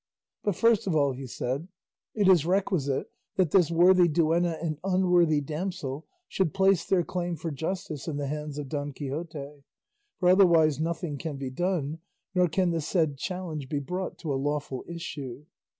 "But first of all," he said, "it is requisite that this worthy duenna and unworthy damsel should place their claim for justice in the hands of Don Quixote; for otherwise nothing can be done, nor can the said challenge be brought to a lawful issue."